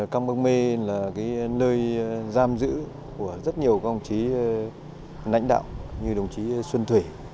căng bắc mê là nơi giam giữ của rất nhiều đồng chí lãnh đạo như đồng chí xuân thủy